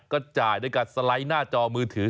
ก็จ่ายด้วยการสไลด์หน้าจอมือถือ